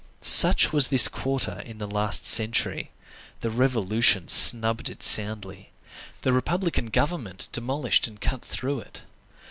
Such was this quarter in the last century. The Revolution snubbed it soundly. The republican government demolished and cut through it.